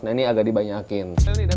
nah ini agak dibanyakin